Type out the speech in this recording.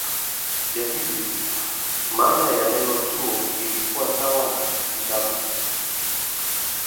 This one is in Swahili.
Kiasili maana ya neno "chuo" ilikuwa sawa na "kitabu".